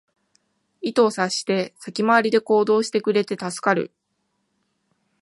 意図を察して先回りで行動してくれて助かる